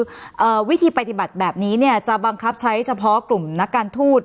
คือเอ่อวิธีปฏิบัติแบบนี้เนี่ยจะบังคับใช้เฉพาะกลุ่มนักการทูต